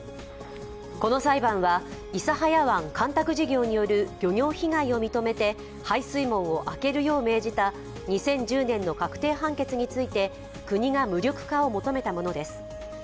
この裁判は、諫早湾干拓事業による漁業被害を認めて、排水問題を開けるよう命じた２０１０年の確定判決について国が無力化を求めたものです。